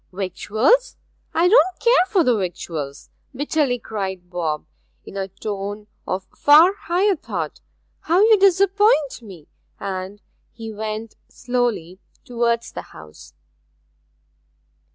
'Victuals I don't care for the victuals!' bitterly cried Bob, in a tone of far higher thought. 'How you disappoint me!' and he went slowly towards the house.